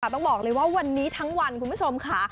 ต้องบอกเลยว่าวันนี้ทั้งวันคุณผู้ชมค่ะ